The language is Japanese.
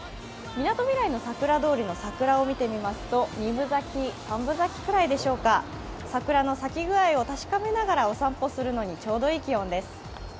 港通りの桜通りの桜を見てみますと、２分咲き、３分咲きぐらいでしょうか桜の咲き具合を確かめながらお散歩するのにちょうどいい気温です。